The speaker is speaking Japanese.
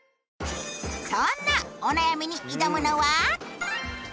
そんなお悩みに挑むのは。